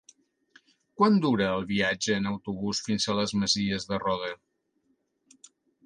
Quant dura el viatge en autobús fins a les Masies de Roda?